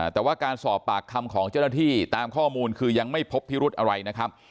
แต่ว่าการสอบปากคำของเจ้าหน้าที่ตามข้อมูลคือยังไม่พบพิรุธอะไรนะครับ